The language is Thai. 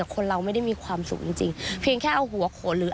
คนเราไม่ได้มีความสุขจริงจริงเพียงแค่เอาหัวโขนหรือ